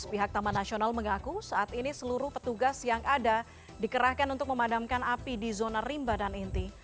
pihak taman nasional mengaku saat ini seluruh petugas yang ada dikerahkan untuk memadamkan api di zona rimba dan inti